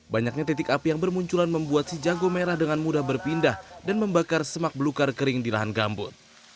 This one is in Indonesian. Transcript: banyaknya titik api yang bermunculan membuat si jago merah dengan mudah berpindah dan membakar semak belukar kering di lahan gambut